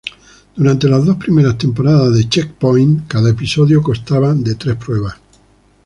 Durante las dos primeras temporadas de Checkpoint, cada episodio constaba de tres pruebas.